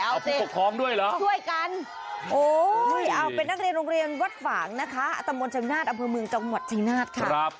เอาเจ๊ช่วยกันโอ้ยเอาเป็นนักเรียนโรงเรียนวัดฝ่างนะคะอัตโมนชะมินาทอำเภอเมืองจังหวัดชะมินาทค่ะ